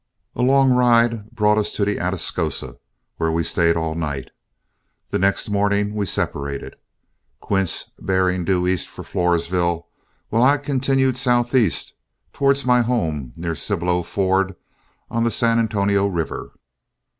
A long ride brought us to the Atascosa, where we stayed all night. The next morning we separated, Quince bearing due east for Floresville, while I continued southeast towards my home near Cibollo Ford on the San Antonio River.